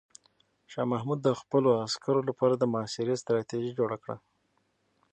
شاه محمود د خپلو عسکرو لپاره د محاصرې ستراتیژي جوړه کړه.